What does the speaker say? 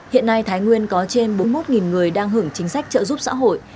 hiện nay thái nguyên có trên bốn mươi một người đang hưởng chính sách trợ giúp xã hội